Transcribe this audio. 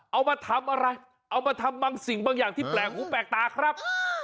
เอามาทำอะไรเอามาทำบางสิ่งบางอย่างที่แปลกหูแปลกตาครับ